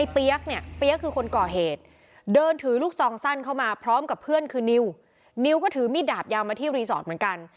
เพื่อนคือนิ้วนิ้วก็ถือมีดดาบยาวมาที่รีสอร์ทเหมือนกัน